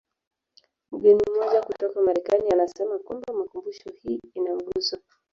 Mgeni mmoja kutoka Marekani anasema kwamba makumbusho hii ina mguso